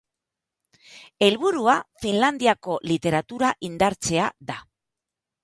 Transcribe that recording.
Helburua Finlandiako literatura indartzea da.